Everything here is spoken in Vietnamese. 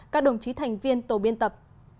các đồng chí thành viên tổ biên tập